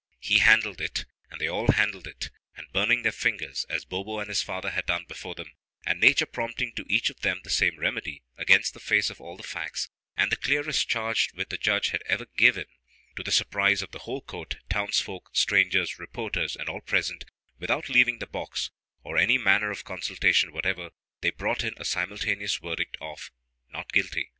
He handled it, and they all handled it, and burning their fingers, as Bo bo and his father had done before them, and nature prompting to each of them the same remedy, against the face of all the facts, and the clearest charge which the judge had ever given, to the surprise of the whole court, townsfolk, strangers, reporters, and all present without leaving the box, or any manner of consultation whatever, they brought in a simultaneous verdict of Not Guilty.